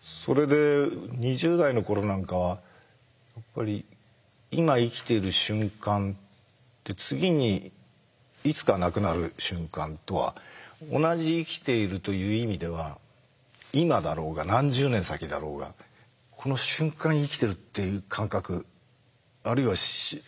それで２０代の頃なんかはやっぱり今生きている瞬間って次にいつかなくなる瞬間とは同じ生きているという意味では今だろうが何十年先だろうがこの瞬間生きてるっていう感覚あるいはすぐ先は